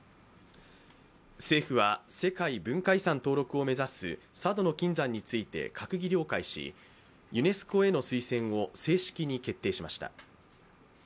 政府は、世界文化遺産登録を目指す佐渡島の金山について閣議了解しユネスコへの推薦を正式に決定しました。